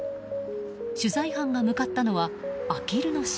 取材班が向かったのはあきる野市。